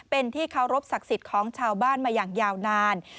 เป็นที่เคารพศักดิ์สิทธิ์ของชาวบ้านมาอย่างยาวนาน